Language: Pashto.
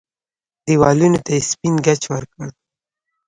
دېوالونو ته يې سپين ګچ ورکړ.